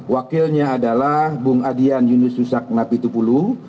wakilnya adalah bung adian yunus susak nabi tupulu